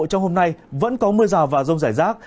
trong hôm nay vẫn có mưa rào và rông rải rác